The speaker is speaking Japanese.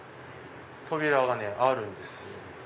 扉がねあるんですよ。